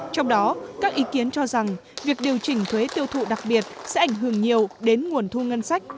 trong đó các ý kiến cho rằng việc điều chỉnh thuế tiêu thụ đặc biệt sẽ ảnh hưởng nhiều đến nguồn thu ngân sách